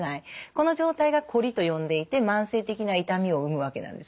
この状態がこりと呼んでいて慢性的な痛みを生むわけなんです。